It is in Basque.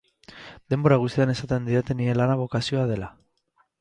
Denbora guztian esaten didate nire lana bokazioa dela.